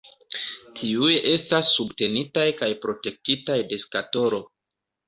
Tiuj estas subtenitaj kaj protektitaj de skatolo.